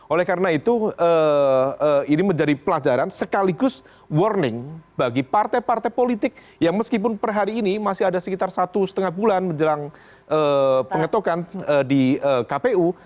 oleh karena itu ini menjadi pelajaran sekaligus warning bagi partai partai politik yang meskipun per hari ini masih ada sekitar satu setengah bulan menjelang pengetokan di kpu